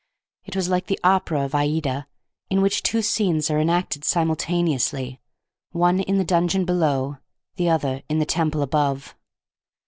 It was like the opera of Aïda, in which two scenes are enacted simultaneously, one in the dungeon below, the other in the temple above.